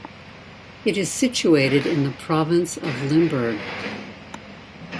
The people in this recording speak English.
It is situated in the province of Limburg.